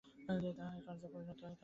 তাহাই কার্যে পরিণত ধর্ম, তাহাই মুক্তি।